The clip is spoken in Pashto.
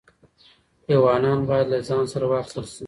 ایوانان باید له ځان سره واخیستل شي.